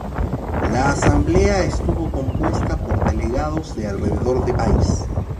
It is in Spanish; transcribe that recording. La asamblea estuvo compuesta por delegados de alrededor de país.